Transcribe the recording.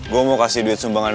gue mau kasih duit sumbangan